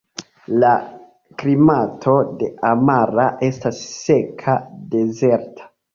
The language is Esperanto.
La klimato de Amara estas seka dezerta.